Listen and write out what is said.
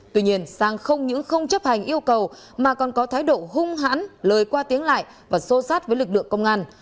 tuy nhiên sang không những không chấp hành yêu cầu mà còn có thái độ hung hãn lời qua tiếng lại và sô sát với lực lượng công an